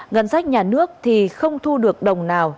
ngân sách nhà nước thì không thu được đồng nào